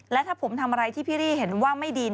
และถ้าผมทำอะไรที่พี่รี่เห็นว่าไม่ดี